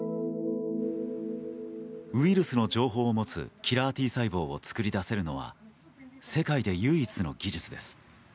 ウイルスの情報を持つキラーＴ細胞を作り出せるのは世界で唯一の技術です。